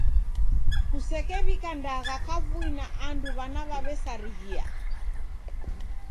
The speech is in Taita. Kusekew'ika ndagha kavui na andu w'ana w'aw'esarighia.